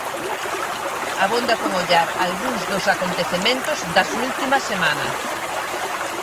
Abonda con ollar algúns dos acontecementos das última semana.